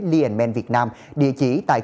liên men việt nam địa chỉ tại